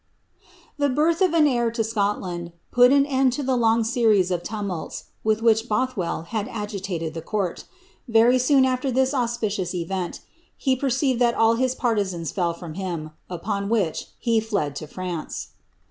The birth of an heir lo Scotland put an end to the long series w" lumiills with which Bolhwell had ng iiated the court, Verv soon al'irr this auspicious event, he perceived thai all his partisans fell I'rom hira, upon which he fled 10 France.'